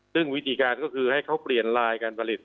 ซึ่งวิธีการก็คือให้เขาเปลี่ยนลายการผลิต